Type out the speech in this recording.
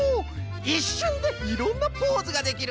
いっしゅんでいろんなポーズができる。